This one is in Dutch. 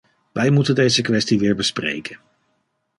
Wij moeten deze kwestie weer bespreken.